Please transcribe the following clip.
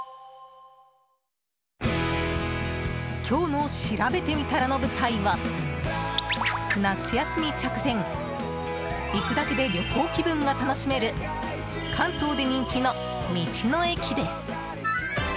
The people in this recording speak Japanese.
今日のしらべてみたらの舞台は夏休み直前行くだけで旅行気分が楽しめる関東で人気の道の駅です。